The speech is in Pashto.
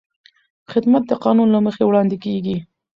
خدمت د قانون له مخې وړاندې کېږي.